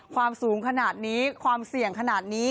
ความสูงขนาดนี้ความเสี่ยงขนาดนี้